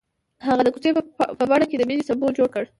هغه د کوڅه په بڼه د مینې سمبول جوړ کړ.